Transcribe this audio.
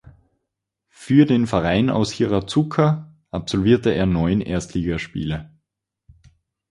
Für den Verein aus Hiratsuka absolvierte er neun Erstligaspiele.